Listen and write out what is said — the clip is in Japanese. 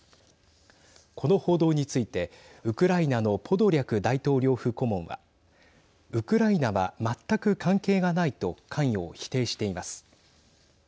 この報道についてウクライナのポドリャク大統領府顧問はウクライナは全く関係がないと関与を否定しています。